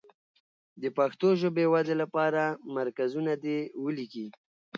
د پښتو ژبې ودې لپاره مرکزونه دې ولیکي.